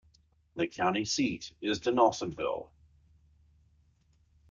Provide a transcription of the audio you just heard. The county seat is Donalsonville.